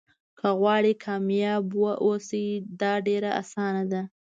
که غواړئ کامیابه واوسئ دا ډېره اسانه ده.